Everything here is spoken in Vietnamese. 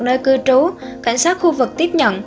nơi cư trú cảnh sát khu vực tiếp nhận